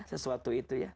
sesuatu itu ya